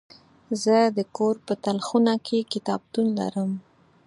زه د کور په تلخونه کې کتابتون لرم.